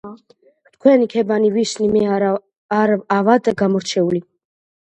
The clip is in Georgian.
ვთქვენი ქებანი ვისნი მე არ-ავად გამორჩეული.